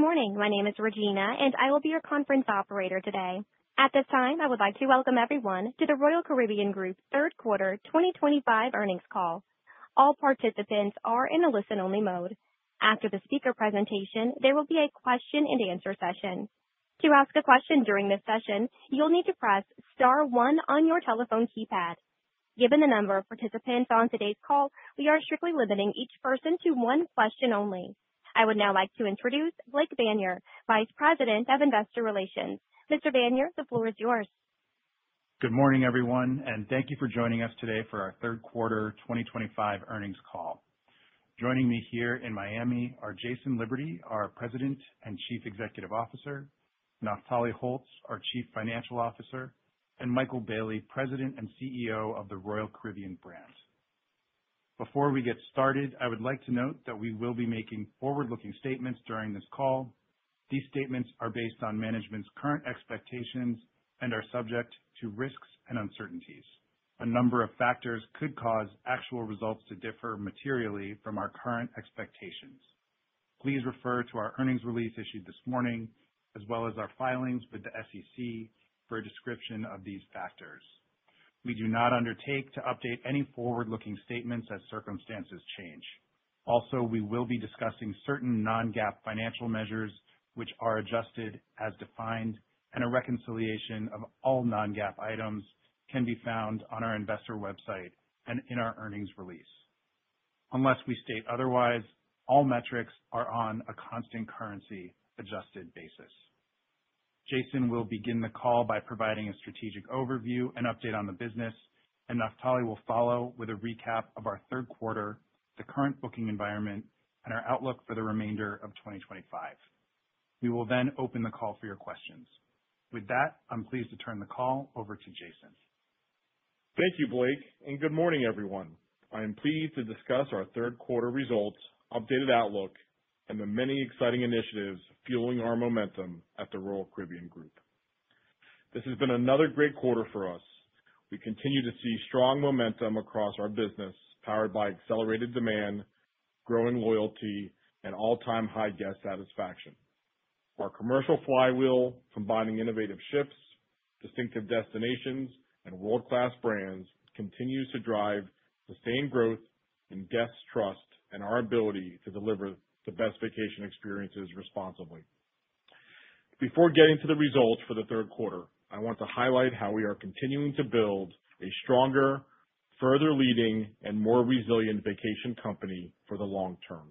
Good morning. My name is Regina, and I will be your conference operator today. At this time, I would like to welcome everyone to the Royal Caribbean Group's Third Quarter 2025 Earnings Call. All participants are in the listen-only mode. After the speaker presentation, there will be a question-and-answer session. To ask a question during this session, you'll need to press star one on your telephone keypad. Given the number of participants on today's call, we are strictly limiting each person to one question only. I would now like to introduce Blake Vanier, Vice President of Investor Relations. Mr. Vanier, the floor is yours. Good morning, everyone, and thank you for joining us today for our Third Quarter 2025 Earnings Call. Joining me here in Miami are Jason Liberty, our President and Chief Executive Officer, Naftali Holtz, our Chief Financial Officer, and Michael Bayley, President and CEO of the Royal Caribbean Brand. Before we get started, I would like to note that we will be making forward-looking statements during this call. These statements are based on management's current expectations and are subject to risks and uncertainties. A number of factors could cause actual results to differ materially from our current expectations. Please refer to our earnings release issued this morning, as well as our filings with the SEC, for a description of these factors. We do not undertake to update any forward-looking statements as circumstances change. Also, we will be discussing certain non-GAAP financial measures, which are adjusted as defined, and a reconciliation of all non-GAAP items can be found on our investor website and in our earnings release. Unless we state otherwise, all metrics are on a constant currency-adjusted basis. Jason will begin the call by providing a strategic overview and update on the business, and Naftali will follow with a recap of our third quarter, the current booking environment, and our outlook for the remainder of 2025. We will then open the call for your questions. With that, I'm pleased to turn the call over to Jason. Thank you, Blake, and good morning, everyone. I am pleased to discuss our third quarter results, updated outlook, and the many exciting initiatives fueling our momentum at the Royal Caribbean Group. This has been another great quarter for us. We continue to see strong momentum across our business, powered by accelerated demand, growing loyalty, and all-time high guest satisfaction. Our commercial flywheel, combining innovative ships, distinctive destinations, and world-class brands, continues to drive sustained growth in guests' trust and our ability to deliver the best vacation experiences responsibly. Before getting to the results for the third quarter, I want to highlight how we are continuing to build a stronger, further-leading, and more resilient vacation company for the long term.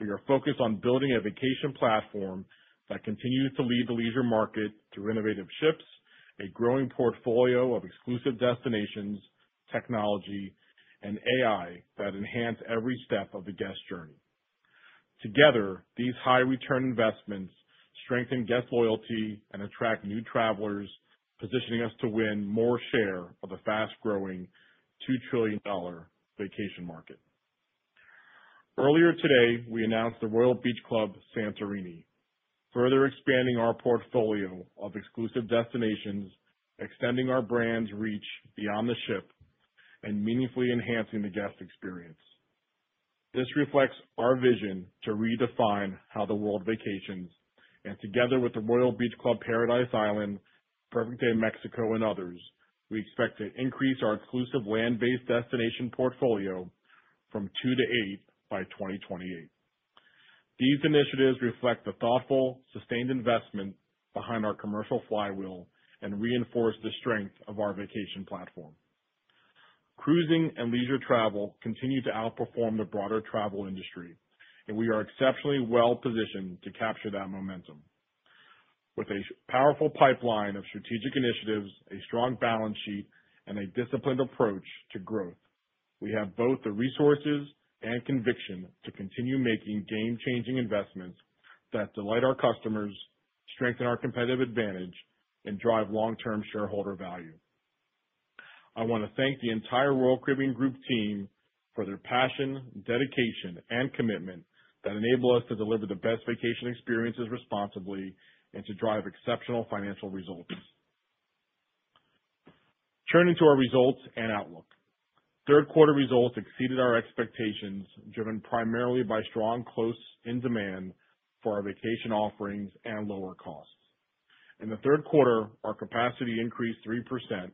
We are focused on building a vacation platform that continues to lead the leisure market through innovative ships, a growing portfolio of exclusive destinations, technology, and AI that enhance every step of the guest journey. Together, these high-return investments strengthen guest loyalty and attract new travelers, positioning us to win more share of the fast-growing $2 trillion vacation market. Earlier today, we announced the Royal Beach Club Santorini, further expanding our portfolio of exclusive destinations, extending our brand's reach beyond the ship, and meaningfully enhancing the guest experience. This reflects our vision to redefine how the world vacations, and together with the Royal Beach Club Paradise Island, Perfect Day Mexico, and others, we expect to increase our exclusive land-based destination portfolio from two to eight by 2028. These initiatives reflect the thoughtful, sustained investment behind our commercial flywheel and reinforce the strength of our vacation platform. Cruising and leisure travel continue to outperform the broader travel industry, and we are exceptionally well-positioned to capture that momentum. With a powerful pipeline of strategic initiatives, a strong balance sheet, and a disciplined approach to growth, we have both the resources and conviction to continue making game-changing investments that delight our customers, strengthen our competitive advantage, and drive long-term shareholder value. I want to thank the entire Royal Caribbean Group team for their passion, dedication, and commitment that enable us to deliver the best vacation experiences responsibly and to drive exceptional financial results. Turning to our results and outlook, third quarter results exceeded our expectations, driven primarily by strong close-in demand for our vacation offerings and lower costs. In the third quarter, our capacity increased 3%,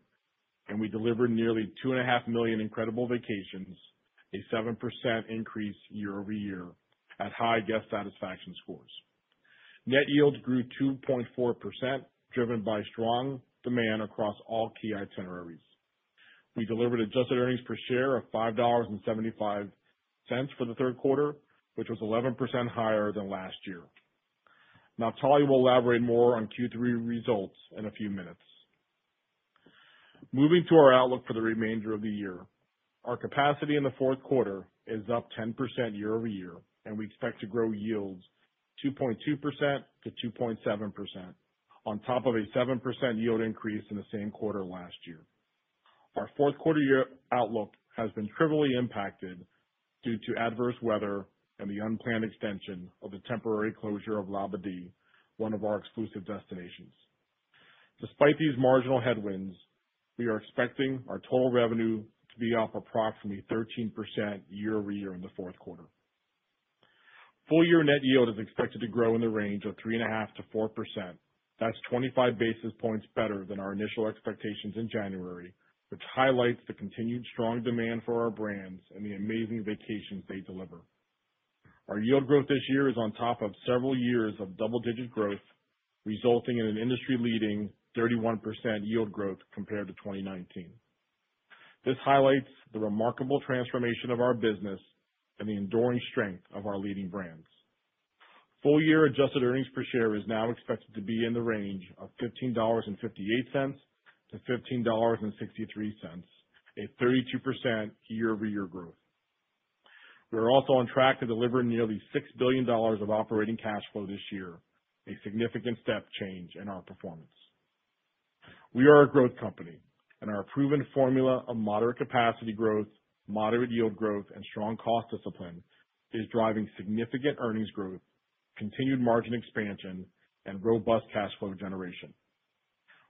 and we delivered nearly 2.5 million incredible vacations, a 7% increase year-over-year, at high guest satisfaction scores. Net yields grew 2.4%, driven by strong demand across all key itineraries. We delivered adjusted earnings per share of $5.75 for the third quarter, which was 11% higher than last year. Naftali will elaborate more on Q3 results in a few minutes. Moving to our outlook for the remainder of the year, our capacity in the fourth quarter is up 10% year-over-year, and we expect to grow yields 2.2%-2.7%, on top of a 7% yield increase in the same quarter last year. Our fourth quarter year outlook has been trivially impacted due to adverse weather and the unplanned extension of the temporary closure of Labadee, one of our exclusive destinations. Despite these marginal headwinds, we are expecting our total revenue to be up approximately 13% year-over-year in the fourth quarter. Full-year net yield is expected to grow in the range of 3.5%-4%. That's 25 basis points better than our initial expectations in January, which highlights the continued strong demand for our brands and the amazing vacations they deliver. Our yield growth this year is on top of several years of double-digit growth, resulting in an industry-leading 31% yield growth compared to 2019. This highlights the remarkable transformation of our business and the enduring strength of our leading brands. Full-year adjusted earnings per share is now expected to be in the range of $15.58-$15.63, a 32% year-over-year growth. We are also on track to deliver nearly $6 billion of operating cash flow this year, a significant step change in our performance. We are a growth company, and our proven formula of moderate capacity growth, moderate yield growth, and strong cost discipline is driving significant earnings growth, continued margin expansion, and robust cash flow generation.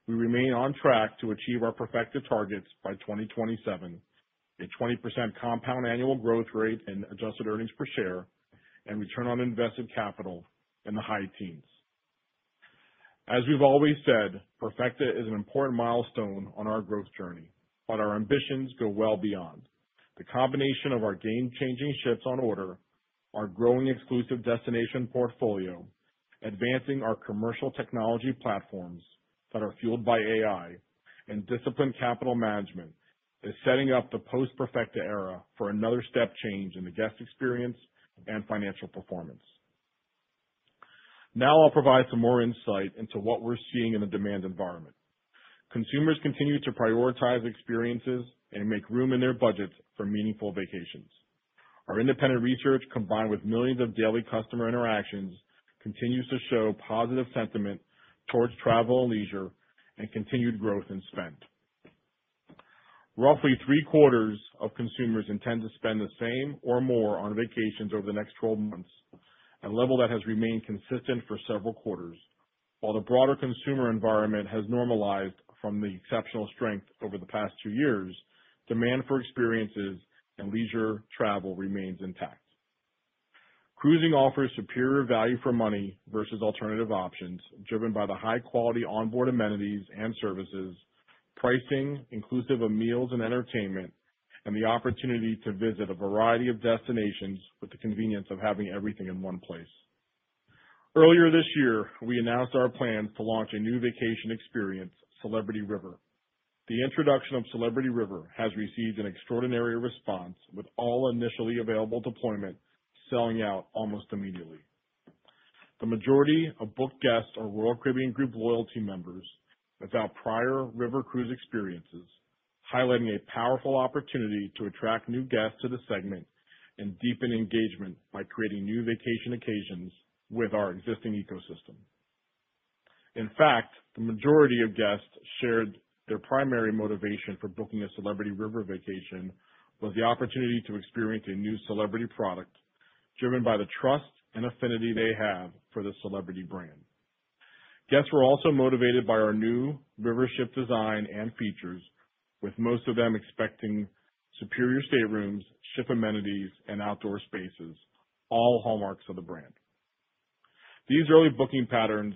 We remain on track to achieve our Perfecta targets by 2027, a 20% compound annual growth rate in adjusted earnings per share, and return on invested capital in the high teens. As we've always said, Perfecta is an important milestone on our growth journey, but our ambitions go well beyond. The combination of our game-changing ships on order, our growing exclusive destination portfolio, advancing our commercial technology platforms that are fueled by AI, and disciplined capital management is setting up the Post-Perfecta era for another step change in the guest experience and financial performance. Now I'll provide some more insight into what we're seeing in the demand environment. Consumers continue to prioritize experiences and make room in their budgets for meaningful vacations. Our independent research, combined with millions of daily customer interactions, continues to show positive sentiment towards travel and leisure and continued growth in spend. Roughly three quarters of consumers intend to spend the same or more on vacations over the next 12 months, a level that has remained consistent for several quarters. While the broader consumer environment has normalized from the exceptional strength over the past two years, demand for experiences and leisure travel remains intact. Cruising offers superior value for money versus alternative options, driven by the high-quality onboard amenities and services, pricing inclusive of meals and entertainment, and the opportunity to visit a variety of destinations with the convenience of having everything in one place. Earlier this year, we announced our plans to launch a new vacation experience, Celebrity River. The introduction of Celebrity River has received an extraordinary response, with all initially available deployment selling out almost immediately. The majority of booked guests are Royal Caribbean Group loyalty members without prior river cruise experiences, highlighting a powerful opportunity to attract new guests to the segment and deepen engagement by creating new vacation occasions with our existing ecosystem. In fact, the majority of guests shared their primary motivation for booking a Celebrity River vacation was the opportunity to experience a new Celebrity product, driven by the trust and affinity they have for the Celebrity brand. Guests were also motivated by our new river ship design and features, with most of them expecting superior staterooms, ship amenities, and outdoor spaces, all hallmarks of the brand. These early booking patterns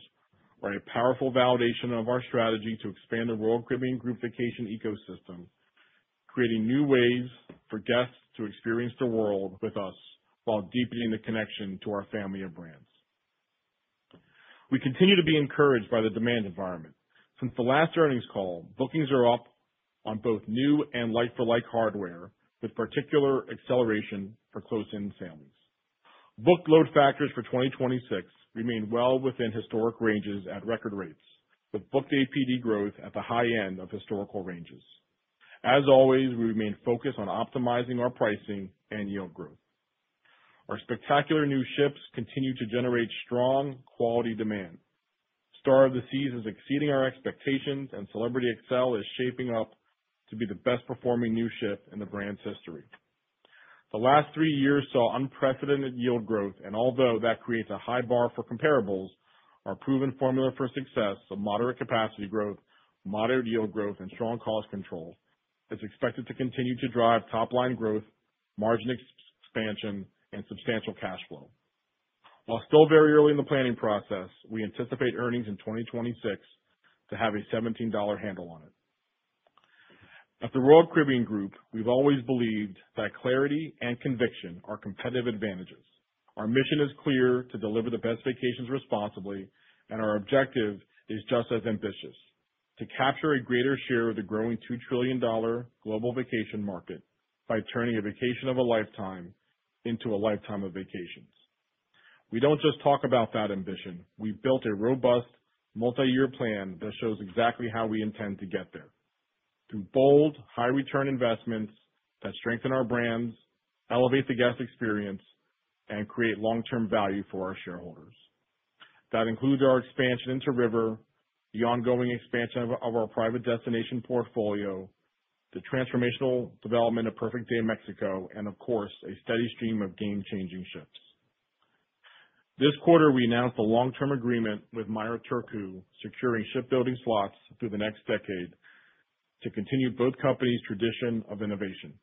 were a powerful validation of our strategy to expand the Royal Caribbean Group vacation ecosystem, creating new ways for guests to experience the world with us while deepening the connection to our family of brands. We continue to be encouraged by the demand environment. Since the last earnings call, bookings are up on both new and like-for-like hardware, with particular acceleration for close-in families. Booked load factors for 2026 remain well within historic ranges at record rates, with booked APD growth at the high end of historical ranges. As always, we remain focused on optimizing our pricing and yield growth. Our spectacular new ships continue to generate strong quality demand. Star of the Seas is exceeding our expectations, and Celebrity Xcel is shaping up to be the best-performing new ship in the brand's history. The last three years saw unprecedented yield growth, and although that creates a high bar for comparables, our proven formula for success of moderate capacity growth, moderate yield growth, and strong cost control is expected to continue to drive top-line growth, margin expansion, and substantial cash flow. While still very early in the planning process, we anticipate earnings in 2026 to have a $17 handle on it. At the Royal Caribbean Group, we've always believed that clarity and conviction are competitive advantages. Our mission is clear to deliver the best vacations responsibly, and our objective is just as ambitious: to capture a greater share of the growing $2 trillion global vacation market by turning a vacation of a lifetime into a lifetime of vacations. We don't just talk about that ambition. We've built a robust multi-year plan that shows exactly how we intend to get there through bold, high-return investments that strengthen our brands, elevate the guest experience, and create long-term value for our shareholders. That includes our expansion into river, the ongoing expansion of our private destination portfolio, the transformational development of Perfect Day Mexico, and, of course, a steady stream of game-changing ships. This quarter, we announced a long-term agreement with Meyer Turku, securing shipbuilding slots through the next decade to continue both companies' tradition of innovation.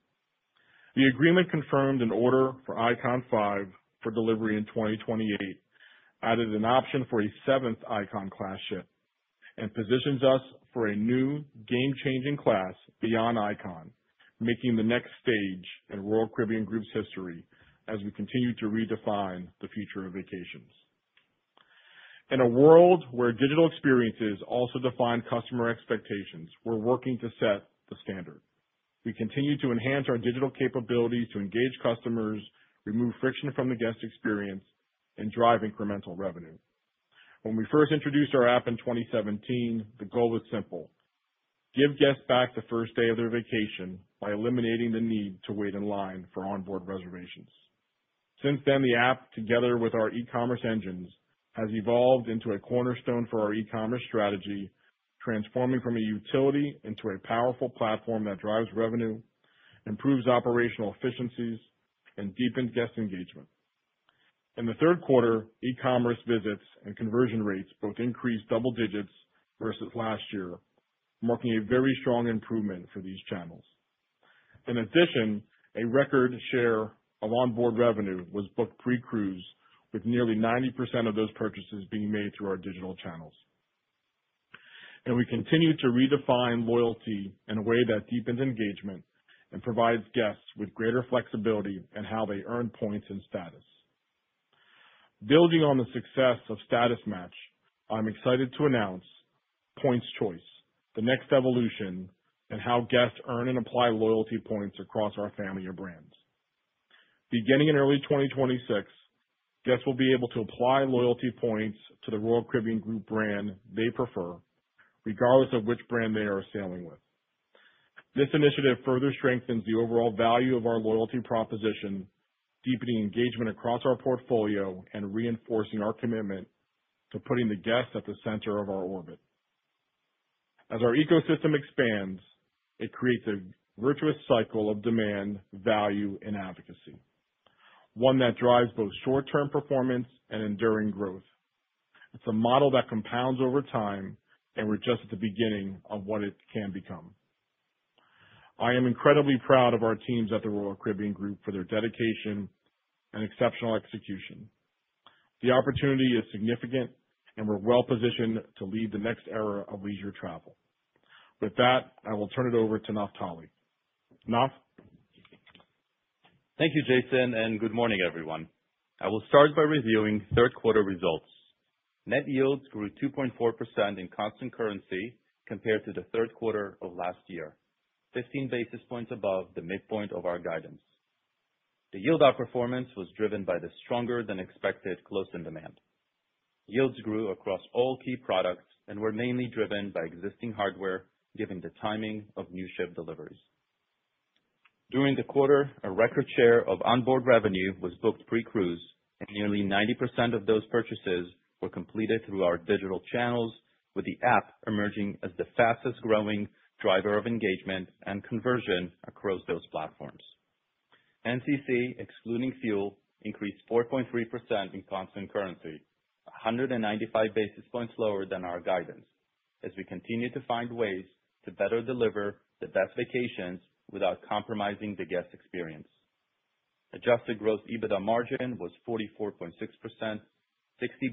The agreement confirmed an order for Icon 5 for delivery in 2028, added an option for a seventh Icon-class ship, and positions us for a new, game-changing class beyond Icon, making the next stage in Royal Caribbean Group's history as we continue to redefine the future of vacations. In a world where digital experiences also define customer expectations, we're working to set the standard. We continue to enhance our digital capabilities to engage customers, remove friction from the guest experience, and drive incremental revenue. When we first introduced our app in 2017, the goal was simple: give guests back the first day of their vacation by eliminating the need to wait in line for onboard reservations. Since then, the app, together with our e-commerce engines, has evolved into a cornerstone for our e-commerce strategy, transforming from a utility into a powerful platform that drives revenue, improves operational efficiencies, and deepens guest engagement. In the third quarter, e-commerce visits and conversion rates both increased double digits versus last year, marking a very strong improvement for these channels, and we continue to redefine loyalty in a way that deepens engagement and provides guests with greater flexibility in how they earn points and status. Building on the success of Status Match, I'm excited to ann4ounce Points Choice, the next evolution in how guests earn and apply loyalty points across our family of brands. Beginning in early 2026, guests will be able to apply loyalty points to the Royal Caribbean Group brand they prefer, regardless of which brand they are sailing with. This initiative further strengthens the overall value of our loyalty proposition, deepening engagement across our portfolio, and reinforcing our commitment to putting the guest at the center of our orbit. As our ecosystem expands, it creates a virtuous cycle of demand, value, and advocacy, one that drives both short-term performance and enduring growth. It's a model that compounds over time, and we're just at the beginning of what it can become. I am incredibly proud of our teams at the Royal Caribbean Group for their dedication and exceptional execution. The opportunity is significant, and we're well positioned to lead the next era of leisure travel. With that, I will turn it over to Naftali. Naf? Thank you, Jason, and good morning, everyone. I will start by reviewing third quarter results. Net yields grew 2.4% in constant currency compared to the third quarter of last year, 15 basis points above the midpoint of our guidance. The yield outperformance was driven by the stronger-than-expected close-in demand. Yields grew across all key products and were mainly driven by existing hardware, given the timing of new ship deliveries. During the quarter, a record share of onboard revenue was booked pre-cruise, and nearly 90% of those purchases were completed through our digital channels, with the app emerging as the fastest-growing driver of engagement and conversion across those platforms. NCC, excluding fuel, increased 4.3% in constant currency, 195 basis points lower than our guidance, as we continue to find ways to better deliver the best vacations without compromising the guest experience. Adjusted gross EBITDA margin was 44.6%, 60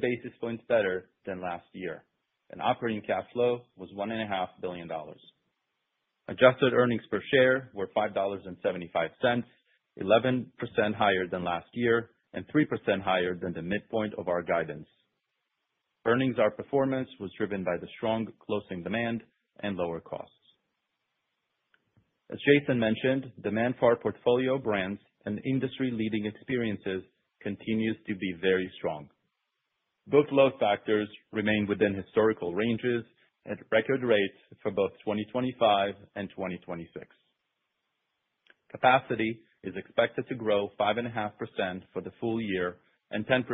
basis points better than last year, and operating cash flow was $1.5 billion. Adjusted earnings per share were $5.75, 11% higher than last year and 3% higher than the midpoint of our guidance. Earnings outperformance was driven by the strong close-in demand and lower costs. As Jason mentioned, demand for our portfolio brands and industry-leading experiences continues to be very strong. Booked load factors remain within historical ranges at record rates for both 2025 and 2026. Capacity is expected to grow 5.5% for the full year and 10%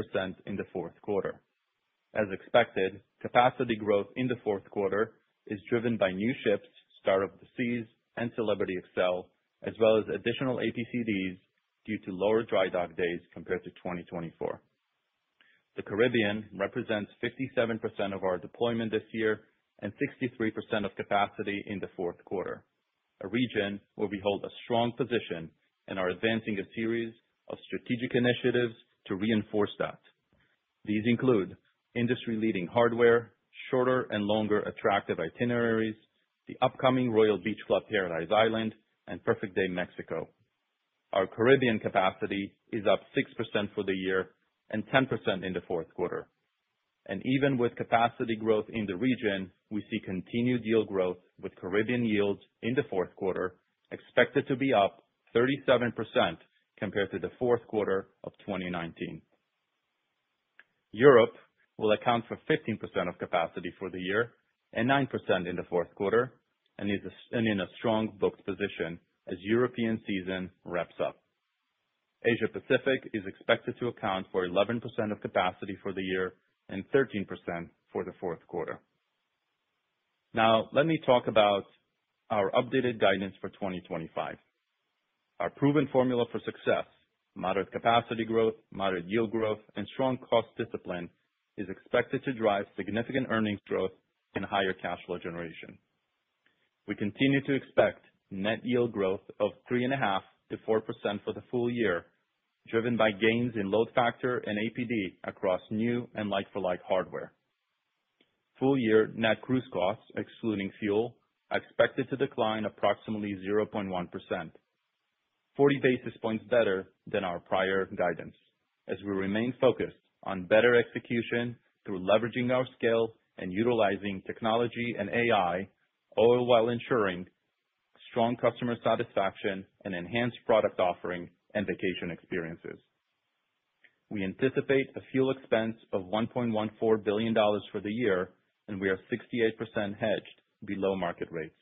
in the fourth quarter. As expected, capacity growth in the fourth quarter is driven by new ships, Star of the Seas, and Celebrity Xcel, as well as additional APCDs due to lower dry dock days compared to 2024. The Caribbean represents 57% of our deployment this year and 63% of capacity in the fourth quarter, a region where we hold a strong position and are advancing a series of strategic initiatives to reinforce that. These include industry-leading hardware, shorter and longer attractive itineraries, the upcoming Royal Beach Club Paradise Island, and Perfect Day Mexico. Our Caribbean capacity is up 6% for the year and 10% in the fourth quarter, and even with capacity growth in the region, we see continued yield growth with Caribbean yields in the fourth quarter expected to be up 37% compared to the fourth quarter of 2019. Europe will account for 15% of capacity for the year and 9% in the fourth quarter and is in a strong booked position as European season wraps up. Asia-Pacific is expected to account for 11% of capacity for the year and 13% for the fourth quarter. Now, let me talk about our updated guidance for 2025. Our proven formula for success, moderate capacity growth, moderate yield growth, and strong cost discipline is expected to drive significant earnings growth and higher cash flow generation. We continue to expect net yield growth of 3.5%-4% for the full year, driven by gains in load factor and APD across new and like-for-like hardware. Full-year net cruise costs, excluding fuel, are expected to decline approximately 0.1%, 40 basis points better than our prior guidance, as we remain focused on better execution through leveraging our scale and utilizing technology and AI, all while ensuring strong customer satisfaction and enhanced product offering and vacation experiences. We anticipate a fuel expense of $1.14 billion for the year, and we are 68% hedged below market rates.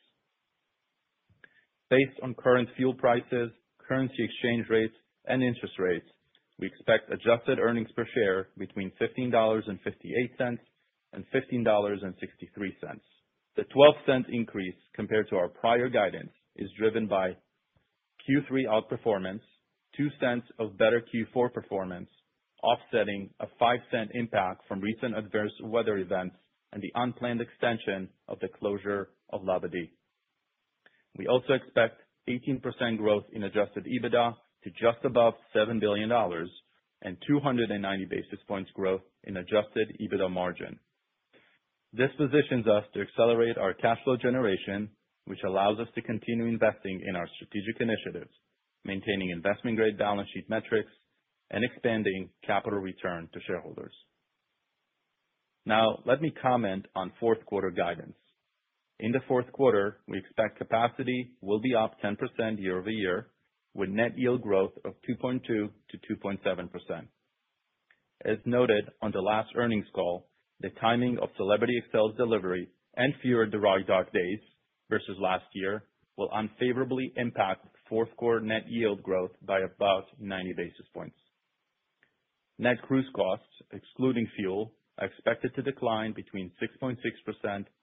Based on current fuel prices, currency exchange rates, and interest rates, we expect adjusted earnings per share between $15.58 and $15.63. The $0.12 increase compared to our prior guidance is driven by Q3 outperformance, $0.02 of better Q4 performance, offsetting a $0.05 impact from recent adverse weather events and the unplanned extension of the closure of Labadee. We also expect 18% growth in Adjusted EBITDA to just above $7 billion and 290 basis points growth in Adjusted EBITDA margin. This positions us to accelerate our cash flow generation, which allows us to continue investing in our strategic initiatives, maintaining investment-grade balance sheet metrics, and expanding capital return to shareholders. Now, let me comment on fourth quarter guidance. In the fourth quarter, we expect capacity will be up 10% year over year, with net yield growth of 2.2% to 2.7%. As noted on the last earnings call, the timing of Celebrity Xcel's delivery and fewer dry dock days versus last year will unfavorably impact fourth quarter net yield growth by about 90 basis points. Net cruise costs, excluding fuel, are expected to decline between 6.6%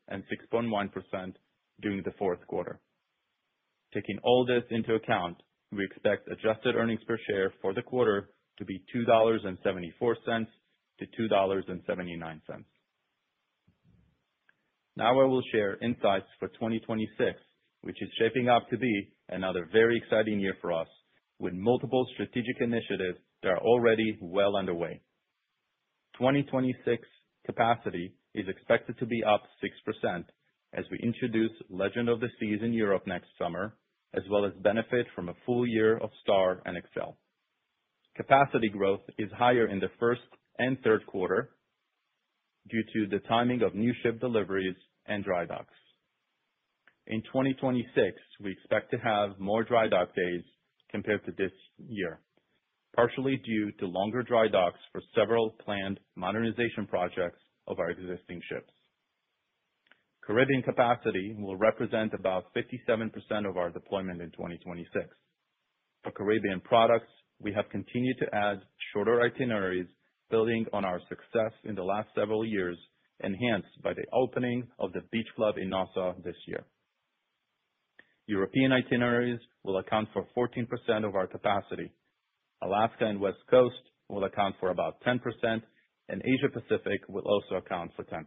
and 6.1% during the fourth quarter. Taking all this into account, we expect adjusted earnings per share for the quarter to be $2.74 to $2.79. Now, I will share insights for 2026, which is shaping up to be another very exciting year for us, with multiple strategic initiatives that are already well underway. 2026 capacity is expected to be up 6% as we introduce Legend of the Seas in Europe next summer, as well as benefit from a full year of Star and Xcel. Capacity growth is higher in the first and third quarter due to the timing of new ship deliveries and dry dock. In 2026, we expect to have more dry dock days compared to this year, partially due to longer dry docks for several planned modernization projects of our existing ships. Caribbean capacity will represent about 57% of our deployment in 2026. For Caribbean products, we have continued to add shorter itineraries, building on our success in the last several years, enhanced by the opening of the Beach Club in Nassau this year. European itineraries will account for 14% of our capacity. Alaska and West Coast will account for about 10%, and Asia-Pacific will also account for 10%.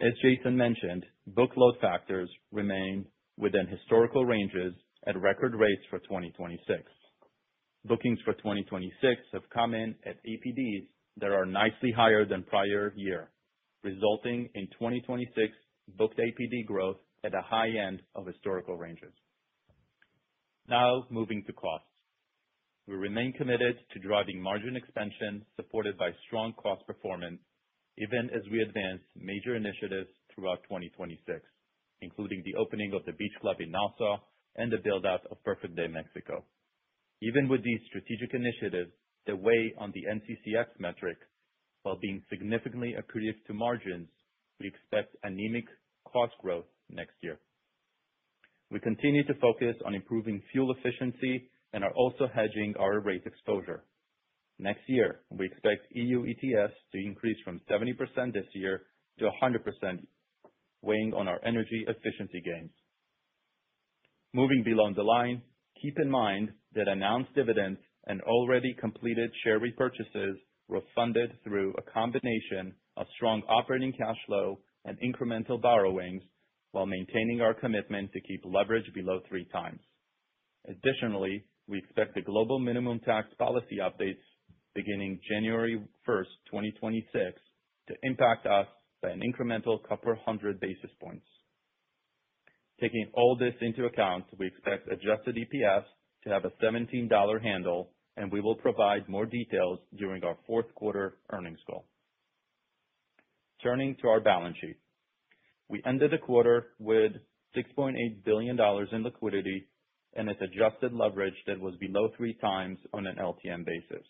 As Jason mentioned, booked load factors remain within historical ranges at record rates for 2026. Bookings for 2026 have come in at APDs that are nicely higher than prior year, resulting in 2026 booked APD growth at the high end of historical ranges. Now, moving to costs. We remain committed to driving margin expansion supported by strong cost performance, even as we advance major initiatives throughout 2026, including the opening of the Beach Club in Nassau and the build-out of Perfect Day Mexico. Even with these strategic initiatives, they weigh on the NCCX metric, while being significantly accretive to margins, we expect anemic cost growth next year. We continue to focus on improving fuel efficiency and are also hedging our rate exposure. Next year, we expect EU ETS to increase from 70% this year to 100%, weighing on our energy efficiency gains. Moving beyond the line, keep in mind that announced dividends and already completed share repurchases were funded through a combination of strong operating cash flow and incremental borrowings, while maintaining our commitment to keep leverage below three times. Additionally, we expect the global minimum tax policy updates beginning January 1, 2026, to impact us by an incremental couple of hundred basis points. Taking all this into account, we expect adjusted EPS to have a $17 handle, and we will provide more details during our fourth quarter earnings call. Turning to our balance sheet, we ended the quarter with $6.8 billion in liquidity and an adjusted leverage that was below three times on an LTM basis.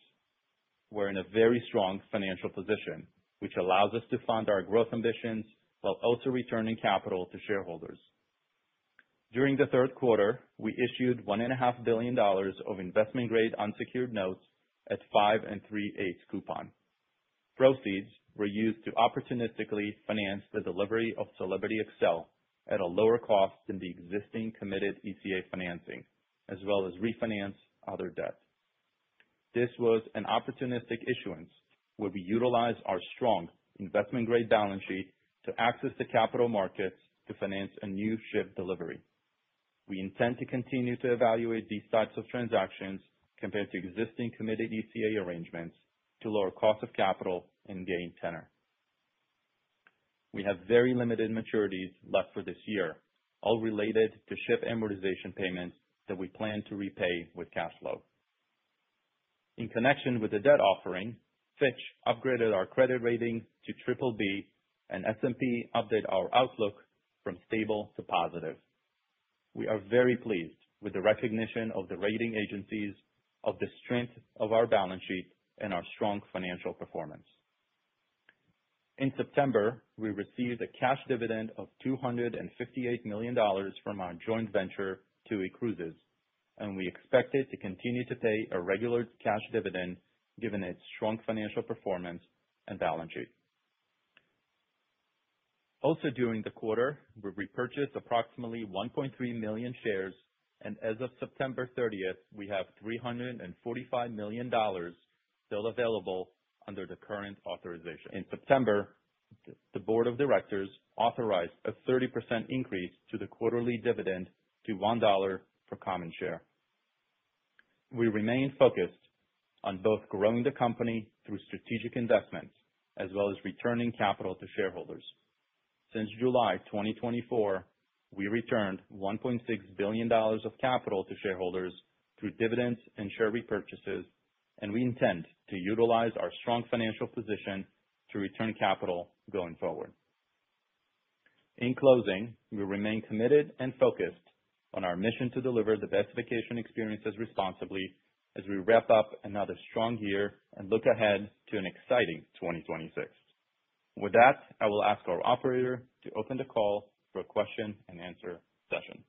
We're in a very strong financial position, which allows us to fund our growth ambitions while also returning capital to shareholders. During the third quarter, we issued $1.5 billion of investment-grade unsecured notes at 5.38% coupon. Proceeds were used to opportunistically finance the delivery of Celebrity Xcel at a lower cost than the existing committed ECA financing, as well as refinance other debt. This was an opportunistic issuance where we utilize our strong investment-grade balance sheet to access the capital markets to finance a new ship delivery. We intend to continue to evaluate these types of transactions compared to existing committed ECA arrangements to lower cost of capital and gain tenor. We have very limited maturities left for this year, all related to ship amortization payments that we plan to repay with cash flow. In connection with the debt offering, Fitch upgraded our credit rating to BBB, and S&P updated our outlook from stable to positive. We are very pleased with the recognition of the rating agencies of the strength of our balance sheet and our strong financial performance. In September, we received a cash dividend of $258 million from our joint venture, TUI Cruises, and we expect it to continue to pay a regular cash dividend given its strong financial performance and balance sheet. Also, during the quarter, we repurchased approximately 1.3 million shares, and as of September 30, we have $345 million still available under the current authorization. In September, the board of directors authorized a 30% increase to the quarterly dividend to $1 for common share. We remain focused on both growing the company through strategic investments as well as returning capital to shareholders. Since July 2024, we returned $1.6 billion of capital to shareholders through dividends and share repurchases, and we intend to utilize our strong financial position to return capital going forward. In closing, we remain committed and focused on our mission to deliver the best vacation experiences responsibly as we wrap up another strong year and look ahead to an exciting 2026. With that, I will ask our operator to open the call for a question and answer session.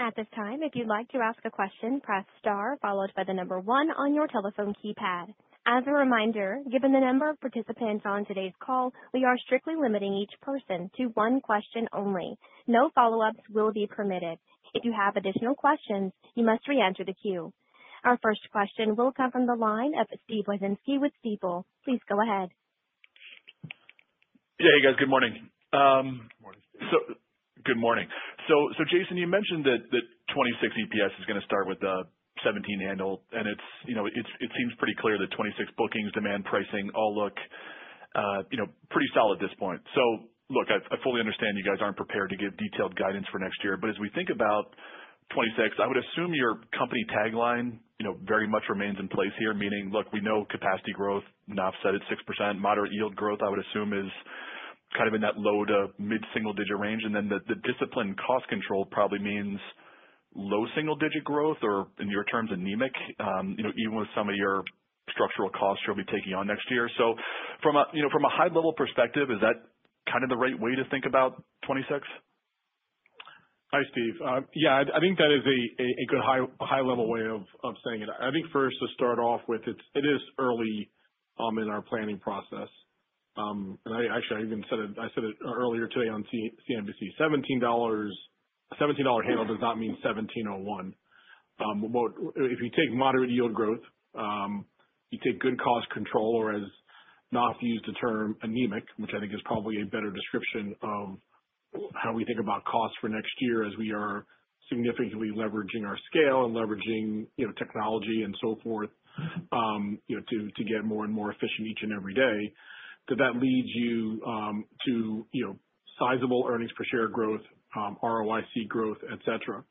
At this time, if you'd like to ask a question, press star followed by the number one on your telephone keypad. As a reminder, given the number of participants on today's call, we are strictly limiting each person to one question only. No follow-ups will be permitted. If you have additional questions, you must re-enter the queue. Our first question will come from the line of Steven Wieczynski with Stifel. Please go ahead. Yeah, hey guys, good morning. Good morning. So Jason, you mentioned that 2026 EPS is going to start with a $17 handle, and it seems pretty clear that 2026 bookings, demand, pricing all look pretty solid at this point. So look, I fully understand you guys aren't prepared to give detailed guidance for next year, but as we think about 2026, I would assume your company tagline very much remains in place here, meaning, look, we know capacity growth, Naftali said at 6%, moderate yield growth, I would assume, is kind of in that low- to mid-single-digit range, and then the discipline and cost control probably means low single-digit growth or, in your terms, anemic, even with some of your structural costs you'll be taking on next year. So from a high-level perspective, is that kind of the right way to think about 2026? Hi, Steve. Yeah, I think that is a good high-level way of saying it. I think first to start off with, it is early in our planning process, and actually, I even said it earlier today on CNBC, $17 handle does not mean 1701. If you take moderate yield growth, you take good cost control, or as NAF used the term, anemic, which I think is probably a better description of how we think about costs for next year as we are significantly leveraging our scale and leveraging technology and so forth to get more and more efficient each and every day. That leads you to sizable earnings per share growth, ROIC growth, etc.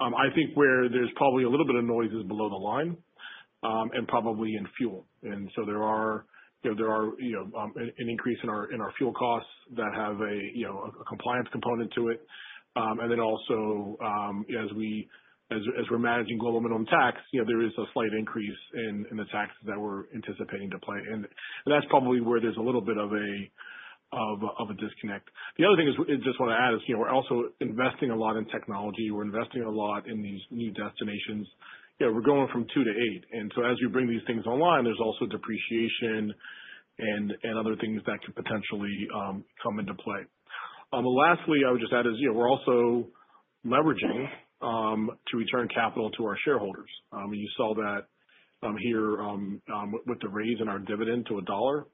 I think where there's probably a little bit of noise is below the line and probably in fuel, and so there are an increase in our fuel costs that have a compliance component to it. And then also, as we're managing global minimum tax, there is a slight increase in the taxes that we're anticipating to pay. And that's probably where there's a little bit of a disconnect. The other thing I just want to add is we're also investing a lot in technology. We're investing a lot in these new destinations. We're going from two to eight. And so as we bring these things online, there's also depreciation and other things that could potentially come into play. Lastly, I would just add is we're also leveraging to return capital to our shareholders. You saw that here with the raise in our dividend to $1.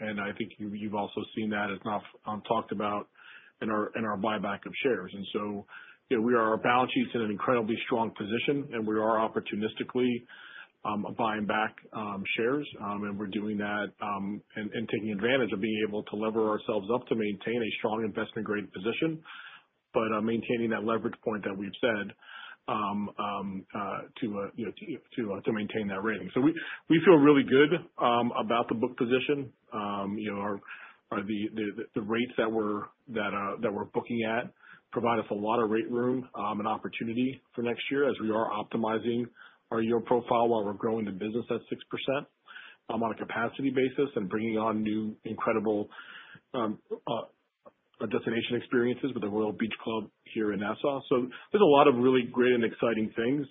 And I think you've also seen that as NAF talked about in our buyback of shares. And so we are on our balance sheets in an incredibly strong position, and we are opportunistically buying back shares. And we're doing that and taking advantage of being able to lever ourselves up to maintain a strong investment-grade position, but maintaining that leverage point that we've said to maintain that rating. So we feel really good about the book position. The rates that we're booking at provide us a lot of rate room and opportunity for next year as we are optimizing our yield profile while we're growing the business at 6% on a capacity basis and bringing on new incredible destination experiences with the Royal Beach Club here in Nassau. So there's a lot of really great and exciting things.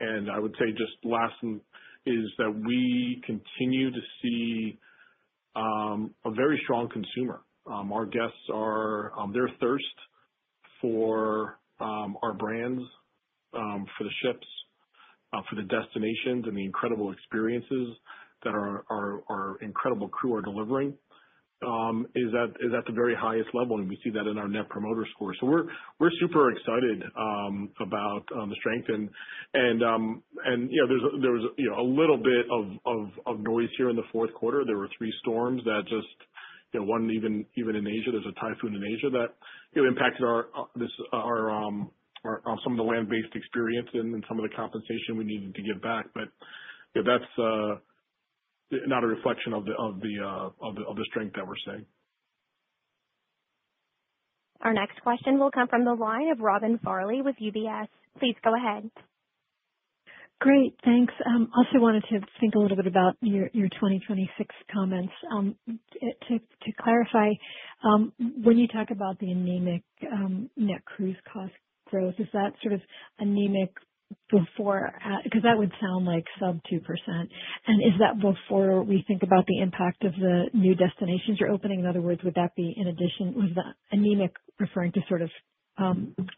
And I would say just last is that we continue to see a very strong consumer. Our guests, their thirst for our brands, for the ships, for the destinations, and the incredible experiences that our incredible crew are delivering is at the very highest level, and we see that in our net promoter score, so we're super excited about the strength and there was a little bit of noise here in the fourth quarter. There were three storms that just one even in Asia. There's a typhoon in Asia that impacted some of the land-based experience and some of the compensation we needed to give back, but that's not a reflection of the strength that we're seeing. Our next question will come from the line of Robin Farley with UBS. Please go ahead. Great. Thanks. I also wanted to think a little bit about your 2026 comments. To clarify, when you talk about the anemic net cruise cost growth, is that sort of anemic before because that would sound like sub 2%? And is that before we think about the impact of the new destinations you're opening? In other words, would that be in addition? Was the anemic referring to sort of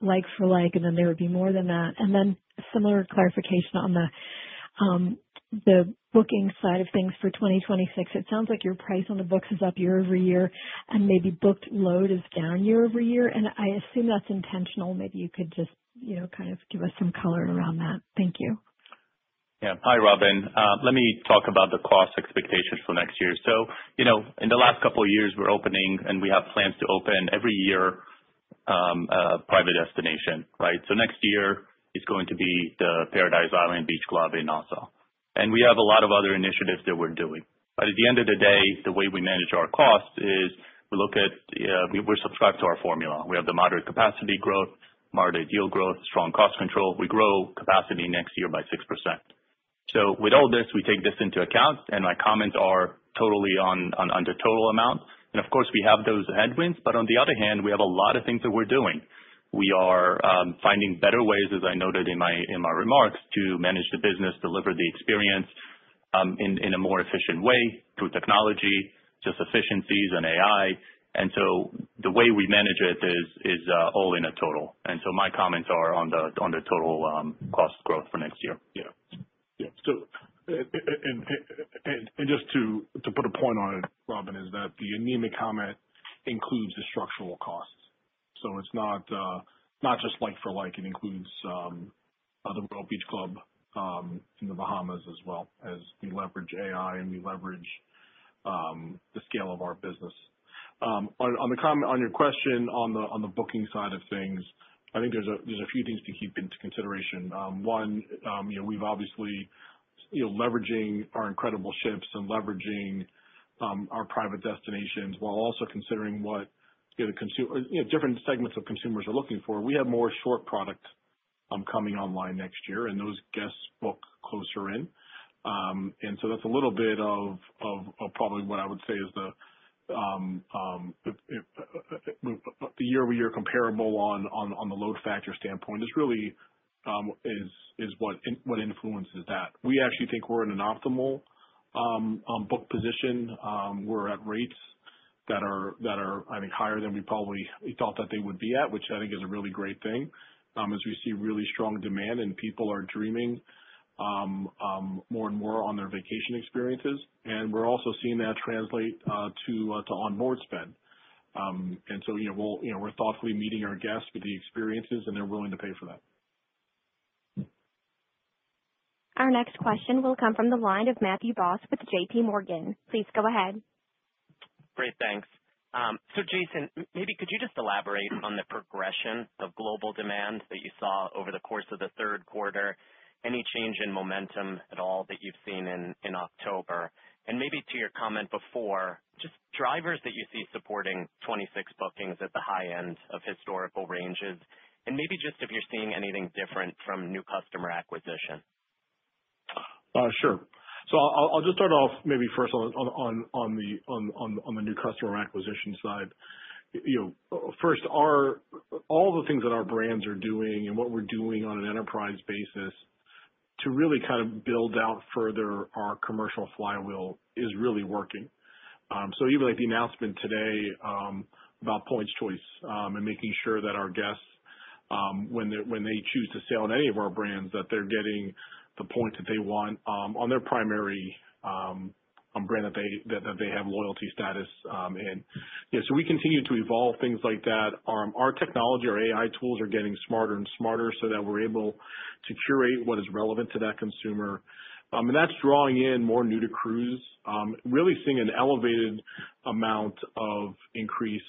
like for like, and then there would be more than that? And then similar clarification on the booking side of things for 2026. It sounds like your price on the books is up year over year, and maybe booked load is down year over year. And I assume that's intentional. Maybe you could just kind of give us some color around that. Thank you. Yeah. Hi, Robin. Let me talk about the cost expectations for next year. So in the last couple of years, we're opening, and we have plans to open every year a private destination, right? So next year is going to be the Paradise Island Beach Club in Nassau. And we have a lot of other initiatives that we're doing. But at the end of the day, the way we manage our costs is we look at we're subscribed to our formula. We have the moderate capacity growth, moderate yield growth, strong cost control. We grow capacity next year by 6%. So with all this, we take this into account, and my comments are totally on the total amount. And of course, we have those headwinds, but on the other hand, we have a lot of things that we're doing. We are finding better ways, as I noted in my remarks, to manage the business, deliver the experience in a more efficient way through technology, just efficiencies and AI. And so the way we manage it is all in a total. And so my comments are on the total cost growth for next year. Yeah. Yeah. And just to put a point on it, Robin, is that the anemic comment includes the structural costs. So it's not just like for like. It includes the Royal Beach Club in the Bahamas as well as we leverage AI and we leverage the scale of our business. On your question on the booking side of things, I think there's a few things to keep into consideration. One, we've obviously leveraging our incredible ships and leveraging our private destinations while also considering what different segments of consumers are looking for. We have more short products coming online next year, and those guests book closer in. And so that's a little bit of probably what I would say is the year-over-year comparable on the load factor standpoint is really what influences that. We actually think we're in an optimal book position. We're at rates that are, I think, higher than we probably thought that they would be at, which I think is a really great thing as we see really strong demand and people are dreaming more and more on their vacation experiences. And we're also seeing that translate to onboard spend. And so we're thoughtfully meeting our guests with the experiences, and they're willing to pay for that. Our next question will come from the line of Matthew Boss with JPMorgan. Please go ahead. Great. Thanks. So Jason, maybe could you just elaborate on the progression of global demand that you saw over the course of the third quarter, any change in momentum at all that you've seen in October? And maybe to your comment before, just drivers that you see supporting 2026 bookings at the high end of historical ranges, and maybe just if you're seeing anything different from new customer acquisition. Sure. So I'll just start off maybe first on the new customer acquisition side. First, all the things that our brands are doing and what we're doing on an enterprise basis to really kind of build out further our commercial flywheel is really working. So even the announcement today about Points Choice and making sure that our guests, when they choose to sail on any of our brands, that they're getting the point that they want on their primary brand that they have loyalty status in. So we continue to evolve things like that. Our technology, our AI tools are getting smarter and smarter so that we're able to curate what is relevant to that consumer. And that's drawing in more new-to-cruise, really seeing an elevated amount of increase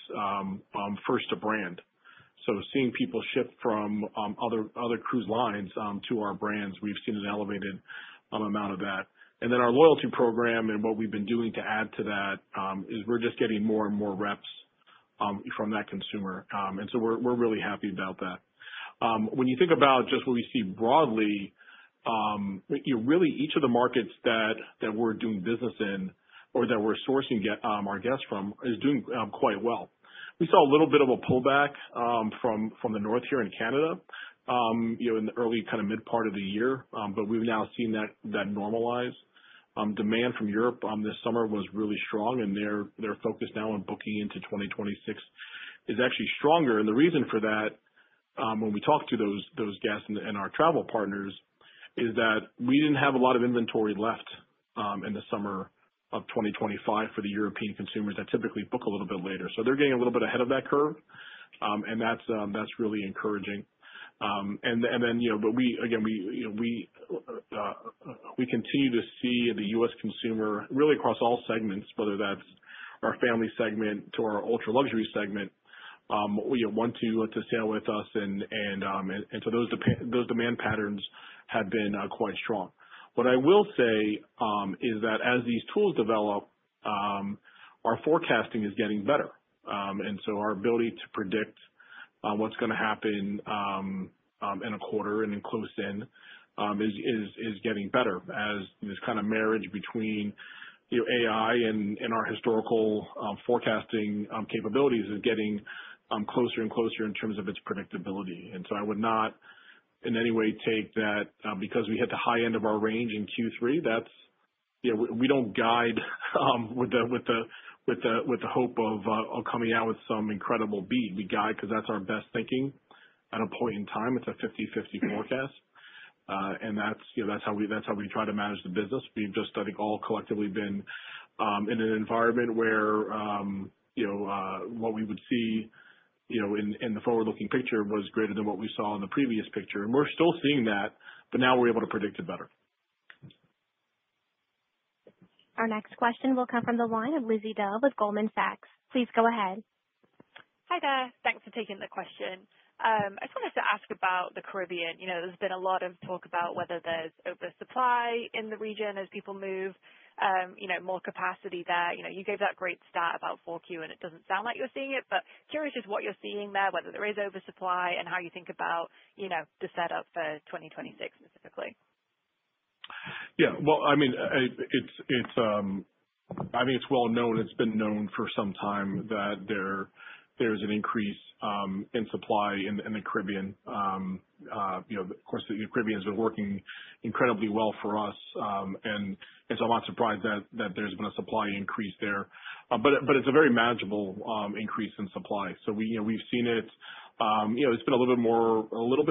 first to brand. So seeing people shift from other cruise lines to our brands, we've seen an elevated amount of that. And then our loyalty program and what we've been doing to add to that is we're just getting more and more reps from that consumer. And so we're really happy about that. When you think about just what we see broadly, really each of the markets that we're doing business in or that we're sourcing our guests from is doing quite well. We saw a little bit of a pullback from the north here in Canada in the early kind of mid part of the year, but we've now seen that normalize. Demand from Europe this summer was really strong, and their focus now on booking into 2026 is actually stronger. And the reason for that, when we talk to those guests and our travel partners, is that we didn't have a lot of inventory left in the summer of 2025 for the European consumers that typically book a little bit later. So they're getting a little bit ahead of that curve, and that's really encouraging. And then, but again, we continue to see the U.S. consumer really across all segments, whether that's our family segment to our ultra-luxury segment, want to sail with us. And so those demand patterns have been quite strong. What I will say is that as these tools develop, our forecasting is getting better. And so our ability to predict what's going to happen in a quarter and in close in is getting better as this kind of marriage between AI and our historical forecasting capabilities is getting closer and closer in terms of its predictability. And so I would not in any way take that because we hit the high end of our range in Q3. We don't guide with the hope of coming out with some incredible beat. We guide because that's our best thinking at a point in time. It's a 50/50 forecast. And that's how we try to manage the business. We've just, I think, all collectively been in an environment where what we would see in the forward-looking picture was greater than what we saw in the previous picture. And we're still seeing that, but now we're able to predict it better. Our next question will come from the line of Lizzie Dove with Goldman Sachs. Please go ahead. Hi there. Thanks for taking the question. I just wanted to ask about the Caribbean. There's been a lot of talk about whether there's oversupply in the region as people move, more capacity there. You gave that great start about 4Q, and it doesn't sound like you're seeing it, but curious just what you're seeing there, whether there is oversupply and how you think about the setup for 2026 specifically. Yeah. Well, I mean, I think it's well known. It's been known for some time that there's an increase in supply in the Caribbean. Of course, the Caribbean has been working incredibly well for us, and so I'm not surprised that there's been a supply increase there. But it's a very manageable increase in supply. So we've seen it. It's been a little bit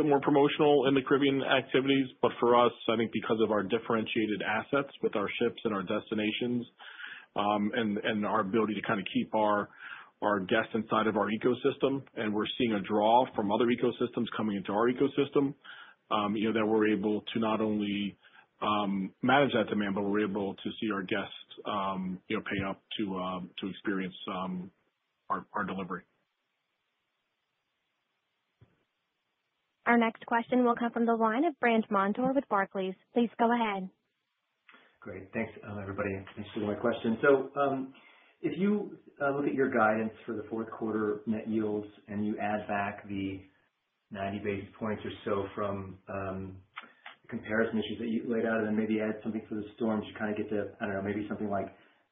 more promotional in the Caribbean activities, but for us, I think because of our differentiated assets with our ships and our destinations and our ability to kind of keep our guests inside of our ecosystem, and we're seeing a draw from other ecosystems coming into our ecosystem that we're able to not only manage that demand, but we're able to see our guests pay up to experience our delivery. Our next question will come from the line of Brandt Montour with Barclays. Please go ahead. Great. Thanks, everybody. Let me see my question. So if you look at your guidance for the fourth quarter net yields and you add back the 90 basis points or so from the comparison issues that you laid out, and then maybe add something for the storms, you kind of get to, I don't know, maybe something like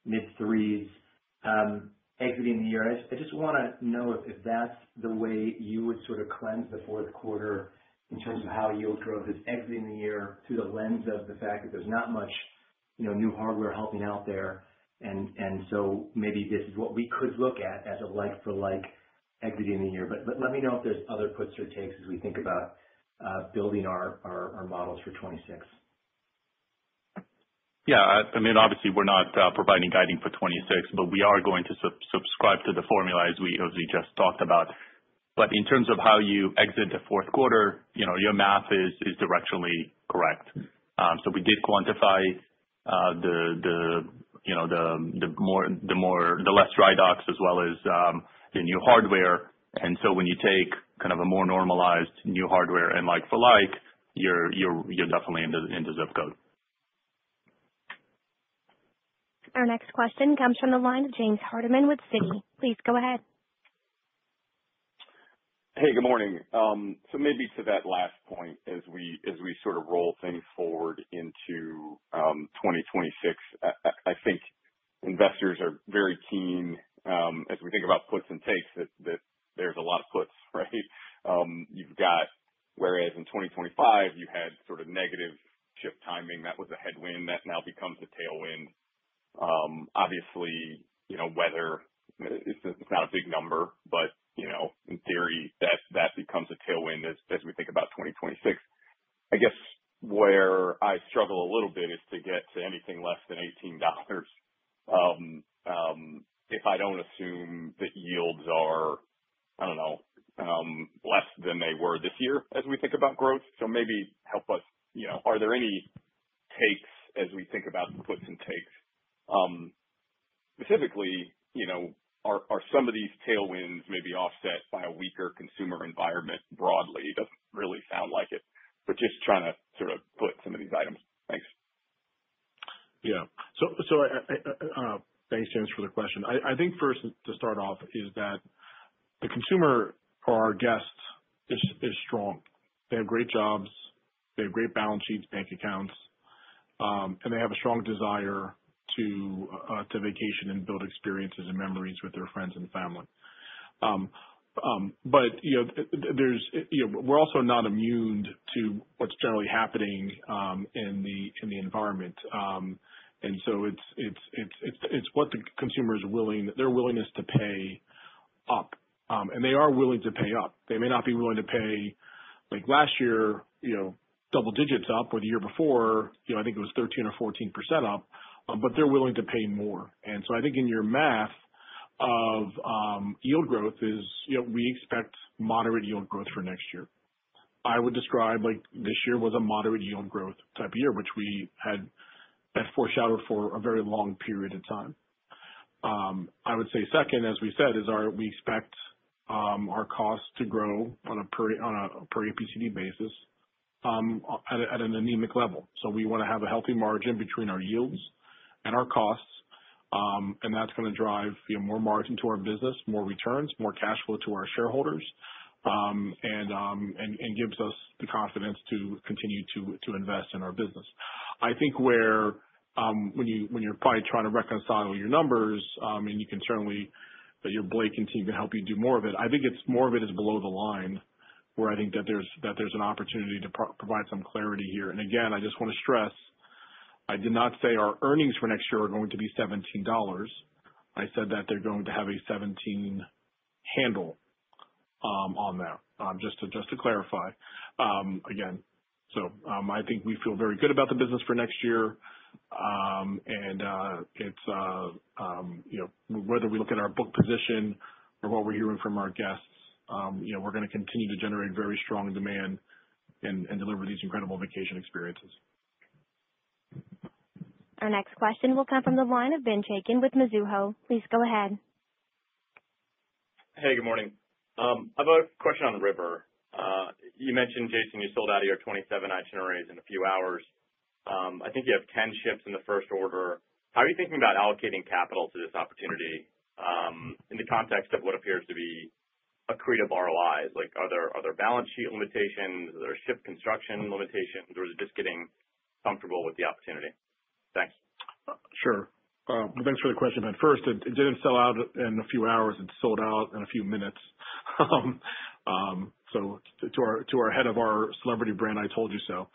mid-threes exiting the year. I just want to know if that's the way you would sort of cleanse the fourth quarter in terms of how yield growth is exiting the year through the lens of the fact that there's not much new hardware helping out there. And so maybe this is what we could look at as a like for like exiting the year. But let me know if there's other puts or takes as we think about building our models for 2026. Yeah. I mean, obviously, we're not providing guidance for 2026, but we are going to subscribe to the formula as we just talked about. But in terms of how you exit the fourth quarter, your math is directionally correct. So we did quantify the less dry docks as well as the new hardware. And so when you take kind of a more normalized new hardware and like for like, you're definitely in the zip code. Our next question comes from the line of James Hardiman with Citi. Please go ahead. Hey, good morning. So maybe to that last point, as we sort of roll things forward into 2026, I think investors are very keen as we think about puts and takes that there's a lot of puts, right? You've got. Whereas in 2025, you had sort of negative ship timing. That was a headwind that now becomes a tailwind. Obviously, weather, it's not a big number, but in theory, that becomes a tailwind as we think about 2026. I guess where I struggle a little bit is to get to anything less than $18 if I don't assume that yields are, I don't know, less than they were this year as we think about growth. So maybe help us. Are there any takes as we think about puts and takes? Specifically, are some of these tailwinds maybe offset by a weaker consumer environment broadly? It doesn't really sound like it, but just trying to sort of put some of these items. Thanks. Yeah. So thanks, James, for the question. I think first to start off is that the consumer or our guests is strong. They have great jobs. They have great balance sheets, bank accounts, and they have a strong desire to vacation and build experiences and memories with their friends and family. But we're also not immune to what's generally happening in the environment. And so it's what the consumer is willing, their willingness to pay up. And they are willing to pay up. They may not be willing to pay like last year double digits up, or the year before, I think it was 13% or 14% up, but they're willing to pay more. And so I think in your math of yield growth is we expect moderate yield growth for next year. I would describe this year was a moderate yield growth type of year, which we had foreshadowed for a very long period of time. I would say second, as we said, is we expect our costs to grow on a per APCD basis at an anemic level, so we want to have a healthy margin between our yields and our costs, and that's going to drive more margin to our business, more returns, more cash flow to our shareholders, and gives us the confidence to continue to invest in our business. I think when you're probably trying to reconcile your numbers, and you can certainly that your Blake can help you do more of it. I think more of it is below the line, where I think that there's an opportunity to provide some clarity here, and again, I just want to stress, I did not say our earnings for next year are going to be $17. I said that they're going to have a 17 handle on that, just to clarify again. I think we feel very good about the business for next year, and whether we look at our book position or what we're hearing from our guests, we're going to continue to generate very strong demand and deliver these incredible vacation experiences. Our next question will come from the line of Ben Chaiken with Mizuho. Please go ahead. Hey, good morning. I have a question on the river. You mentioned, Jason, you sold out of your 27 itineraries in a few hours. I think you have 10 ships in the first order. How are you thinking about allocating capital to this opportunity in the context of what appears to be a great ROI? Are there balance sheet limitations? Are there ship construction limitations? Or is it just getting comfortable with the opportunity? Thanks. Sure, well, thanks for the question, but first, it didn't sell out in a few hours. It sold out in a few minutes, so to our head of our Celebrity brand, I told you so.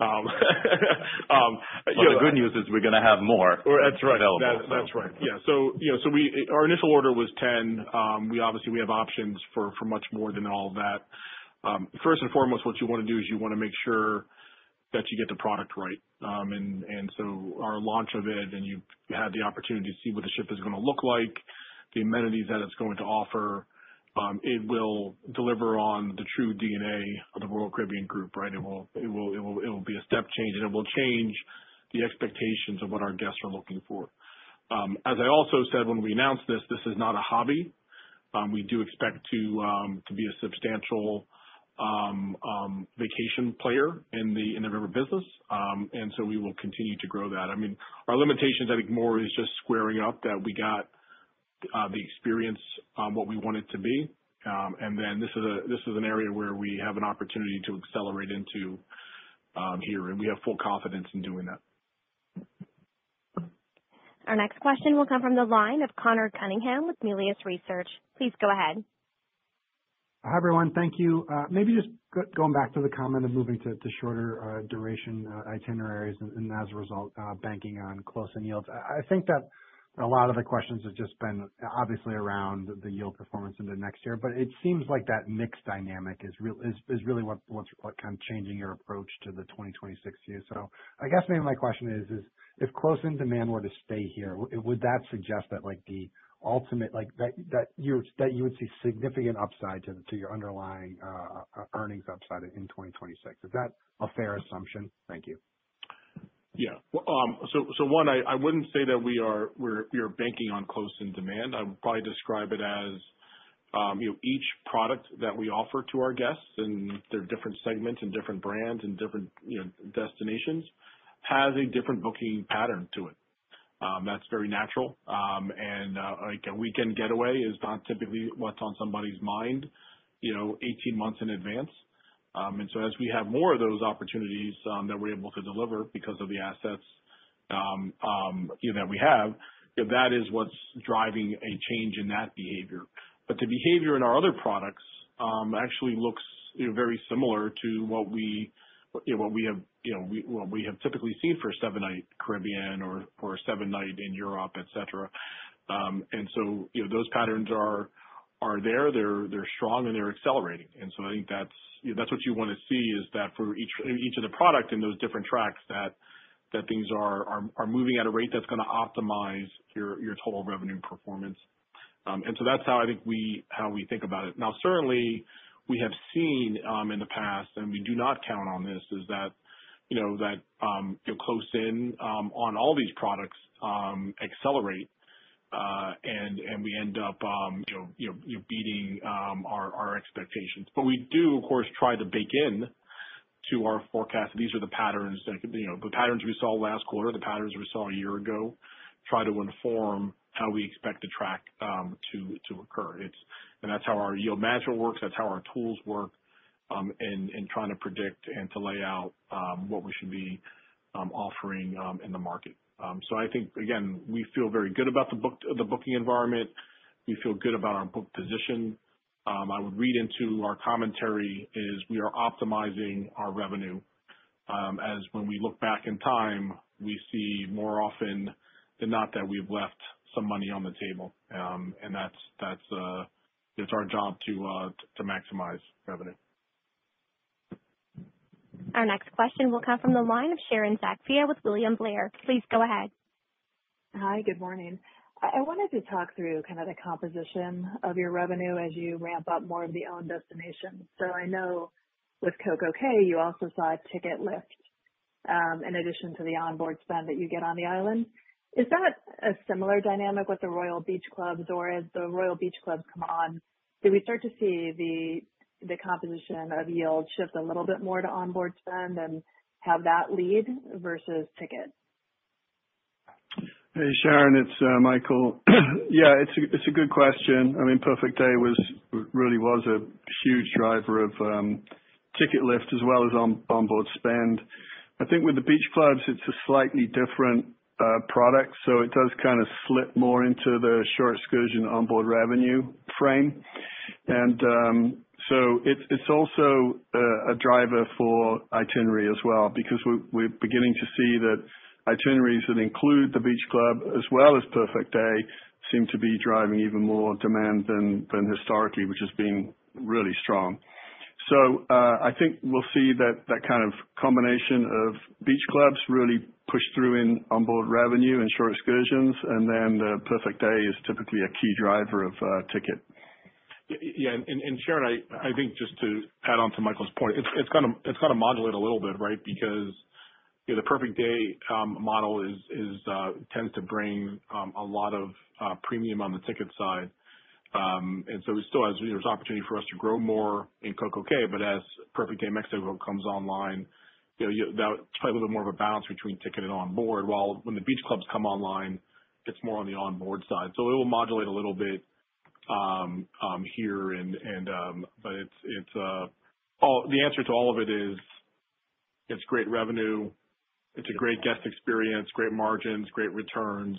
The good news is we're going to have more. That's right. That's right. Yeah, so our initial order was 10. Obviously, we have options for much more than all of that. First and foremost, what you want to do is you want to make sure that you get the product right, and so our launch of it, and you've had the opportunity to see what the ship is going to look like, the amenities that it's going to offer, it will deliver on the true DNA of the Royal Caribbean Group, right? It will be a step change, and it will change the expectations of what our guests are looking for. As I also said when we announced this, this is not a hobby. We do expect to be a substantial vacation player in the river business. And so we will continue to grow that. I mean, our limitations, I think, more is just squaring up that we got the experience what we want it to be. And then this is an area where we have an opportunity to accelerate into here, and we have full confidence in doing that. Our next question will come from the line of Connor Cunningham with Melius Research. Please go ahead. Hi, everyone. Thank you. Maybe just going back to the comment of moving to shorter duration itineraries and as a result, banking on close-in yields. I think that a lot of the questions have just been obviously around the yield performance into next year, but it seems like that mixed dynamic is really what's kind of changing your approach to the 2026 year. So I guess maybe my question is, if close-in demand were to stay here, would that suggest that the ultimate that you would see significant upside to your underlying earnings upside in 2026? Is that a fair assumption? Thank you. Yeah. So, one, I wouldn't say that we are banking on close-in demand. I would probably describe it as each product that we offer to our guests in their different segments and different brands and different destinations has a different booking pattern to it. That's very natural. And a weekend getaway is not typically what's on somebody's mind 18 months in advance. And so as we have more of those opportunities that we're able to deliver because of the assets that we have, that is what's driving a change in that behavior. But the behavior in our other products actually looks very similar to what we have typically seen for a seven-night Caribbean or a seven-night in Europe, etc. And so those patterns are there. They're strong, and they're accelerating. And so I think that's what you want to see is that for each of the products in those different tracks, that things are moving at a rate that's going to optimize your total revenue performance. And so that's how I think we think about it. Now, certainly, we have seen in the past, and we do not count on this, is that close-in on all these products accelerate, and we end up beating our expectations. But we do, of course, try to bake into our forecast. These are the patterns that we saw last quarter, the patterns we saw a year ago, try to inform how we expect the track to occur. And that's how our yield management works. That's how our tools work in trying to predict and to lay out what we should be offering in the market. So I think, again, we feel very good about the booking environment. We feel good about our book position. I would read into our commentary is we are optimizing our revenue as when we look back in time, we see more often than not that we've left some money on the table. And that's our job to maximize revenue. Our next question will come from the line of Sharon Zackfia with William Blair. Please go ahead. Hi. Good morning. I wanted to talk through kind of the composition of your revenue as you ramp up more of the owned destinations. So I know with CocoCay, you also saw a ticket lift in addition to the onboard spend that you get on the island. Is that a similar dynamic with the Royal Beach Clubs? Or as the Royal Beach Clubs come on, do we start to see the composition of yield shift a little bit more to onboard spend and have that lead versus tickets? Hey, Sharon, it's Michael. Yeah, it's a good question. I mean, Perfect Day really was a huge driver of ticket lift as well as onboard spend. I think with the beach clubs, it's a slightly different product. So it does kind of slip more into the short excursion onboard revenue frame. And so it's also a driver for itinerary as well because we're beginning to see that itineraries that include the beach club as well as Perfect Day seem to be driving even more demand than historically, which has been really strong. So I think we'll see that kind of combination of beach clubs really push through in onboard revenue and short excursions. And then Perfect Day is typically a key driver of ticket. Yeah. And Sharon, I think just to add on to Michael's point, it's kind of modulated a little bit, right? Because the Perfect Day model tends to bring a lot of premium on the ticket side. And so we still have opportunity for us to grow more in CocoCay, but as Perfect Day Mexico comes online, that's probably a little bit more of a balance between ticket and onboard. While when the beach clubs come online, it's more on the onboard side. So it will modulate a little bit here. But the answer to all of it is it's great revenue. It's a great guest experience, great margins, great returns.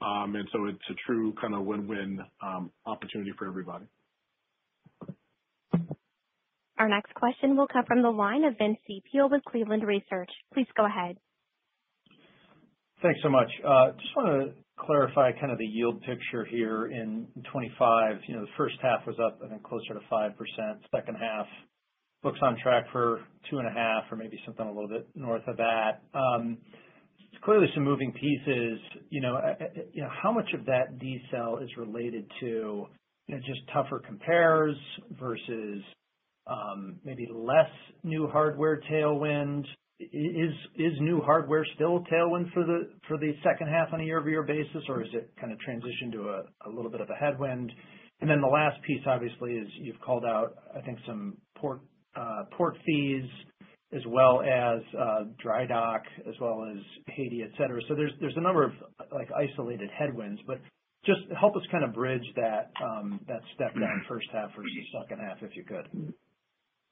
And so it's a true kind of win-win opportunity for everybody. Our next question will come from the line of Vince Ciepiel with Cleveland Research. Please go ahead. Thanks so much. Just want to clarify kind of the yield picture here in 2025. The first half was up, I think, closer to 5%. Second half looks on track for 2.5% or maybe something a little bit north of that. It's clearly some moving pieces. How much of that decel is related to just tougher compares versus maybe less new hardware tailwind? Is new hardware still a tailwind for the second half on a year-over-year basis, or is it kind of transitioned to a little bit of a headwind? And then the last piece, obviously, is you've called out, I think, some port fees as well as dry dock as well as Haiti, etc. So there's a number of isolated headwinds, but just help us kind of bridge that step down first half versus second half, if you could.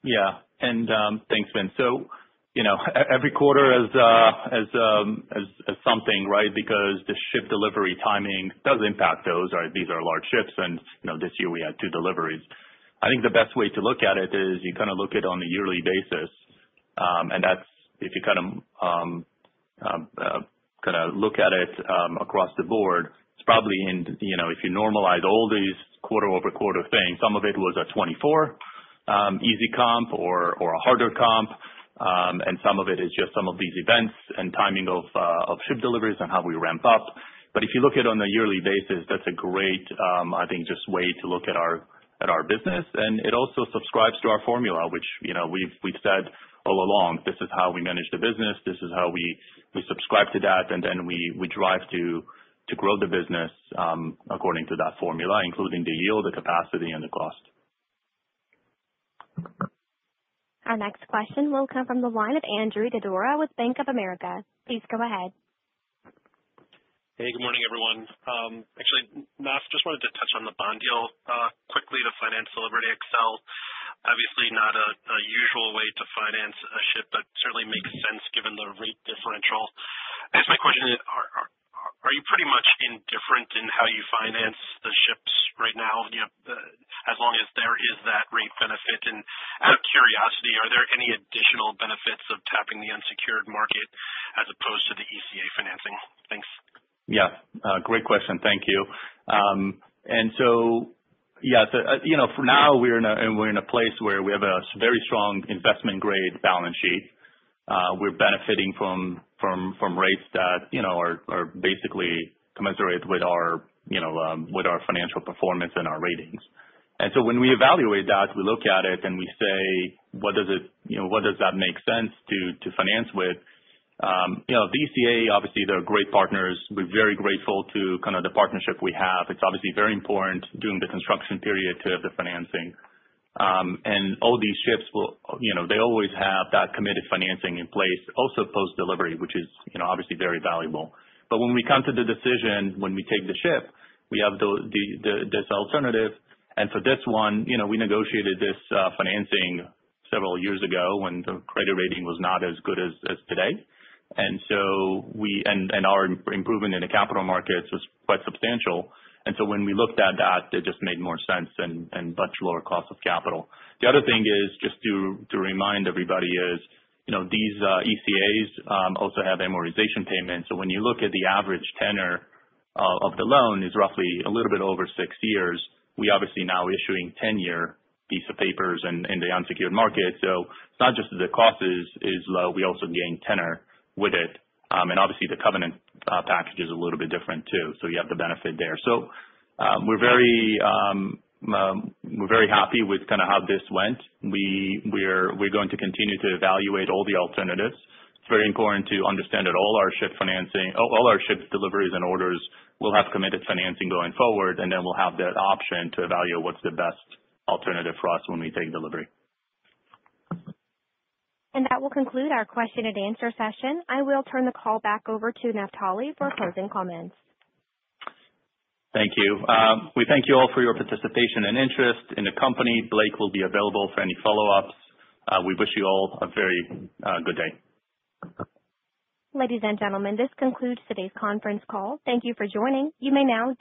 Yeah. And thanks, Vince. So every quarter is something, right? Because the ship delivery timing does impact those. These are large ships, and this year we had two deliveries. I think the best way to look at it is you kind of look at it on a yearly basis. And if you kind of look at it across the board, it's probably, if you normalize all these quarter-over-quarter things, some of it was a 2024 easy comp or a harder comp, and some of it is just some of these events and timing of ship deliveries and how we ramp up, but if you look at it on a yearly basis, that's a great, I think, just way to look at our business, and it also subscribes to our formula, which we've said all along, this is how we manage the business, this is how we subscribe to that, and then we drive to grow the business according to that formula, including the yield, the capacity, and the cost. Our next question will come from the line of Andrew Didora with Bank of America. Please go ahead. Hey, good morning, everyone. Actually, just wanted to touch on the bond deal quickly to finance the Celebrity Xcel. Obviously, not a usual way to finance a ship, but certainly makes sense given the rate differential. I guess my question is, are you pretty much indifferent in how you finance the ships right now as long as there is that rate benefit? And out of curiosity, are there any additional benefits of tapping the unsecured market as opposed to the ECA financing? Thanks. Yeah. Great question. Thank you. And so, yeah, for now, we're in a place where we have a very strong investment-grade balance sheet. We're benefiting from rates that are basically commensurate with our financial performance and our ratings. And so when we evaluate that, we look at it, and we say, what does that make sense to finance with? The ECA, obviously, they're great partners. We're very grateful to kind of the partnership we have. It's obviously very important during the construction period to have the financing, and all these ships, they always have that committed financing in place also post-delivery, which is obviously very valuable, but when we come to the decision, when we take the ship, we have this alternative, and for this one, we negotiated this financing several years ago when the credit rating was not as good as today, and our improvement in the capital markets was quite substantial, and so when we looked at that, it just made more sense and much lower cost of capital. The other thing is just to remind everybody these ECAs also have amortization payments. So when you look at the average tenor of the loan is roughly a little bit over six years, we obviously now issuing 10-year piece of papers in the unsecured market. So it's not just that the cost is low. We also gain tenor with it. And obviously, the covenant package is a little bit different too. So you have the benefit there. So we're very happy with kind of how this went. We're going to continue to evaluate all the alternatives. It's very important to understand that all our ship deliveries and orders will have committed financing going forward, and then we'll have that option to evaluate what's the best alternative for us when we take delivery. And that will conclude our question-and-answer session. I will turn the call back over to Naftali for closing comments. Thank you. We thank you all for your participation and interest in the company. Blake will be available for any follow-ups. We wish you all a very good day. Ladies and gentlemen, this concludes today's conference call. Thank you for joining. You may now.